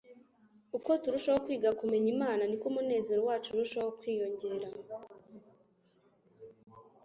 uko turashaho kwiga kumenya Imana niko umunezero wacu urushaho kwiyongera.